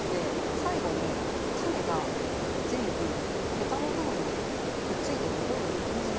最後に種が全部ヘタの部分にくっついて残るんですよ。